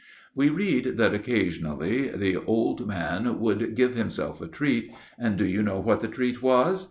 We read that occasionally the old man would 'give himself a treat,' and do you know what that treat was?